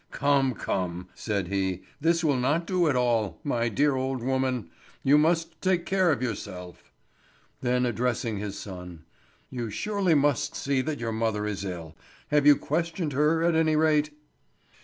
"Come, come," said he, "this will not do at all, my dear old woman. You must take care of yourself." Then, addressing his son, "You surely must see that your mother is ill. Have you questioned her, at any rate?"